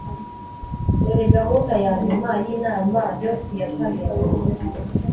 dore gahunda yanyuma yinama yo ku ya kamena